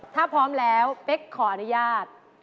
ถ้าพร้อมแล้วเป๊กขออนุญาต